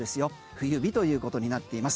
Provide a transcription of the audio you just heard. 冬日ということになっています。